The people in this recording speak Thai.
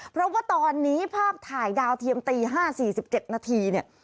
เพราะว่าตอนนี้ภาพถ่ายดาวเทียมตี๕๔๗นาทีเนี่ย